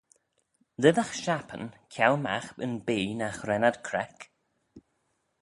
Lhisagh shappyn ceau magh yn bee nagh ren ad creck?